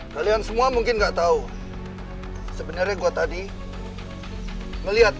lo jangan ikut campur urusan mereka